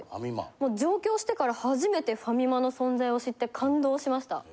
上京してから初めてファミマの存在を知って感動しました。